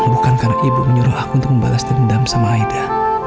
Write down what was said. bukan karena ibu menyuruh aku untuk membalas dendam sama aida